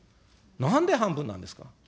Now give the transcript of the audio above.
なんで半分なんですか。